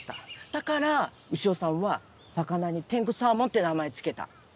だから潮さんは魚に「天狗サーモン」て名前付けた。